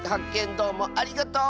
どうもありがとう！